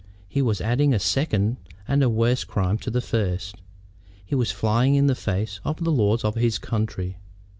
He was adding a second and a worse crime to the first. He was flying in the face of the laws of his country.